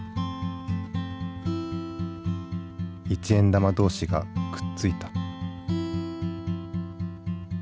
一円玉同士がくっついた。